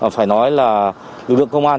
phải nói là lực lượng công an